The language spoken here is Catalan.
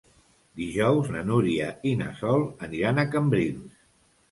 Dijous na Núria i na Sol aniran a Cambrils.